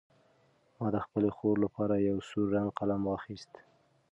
ما د خپلې خور لپاره یو سور رنګه قلم واخیست.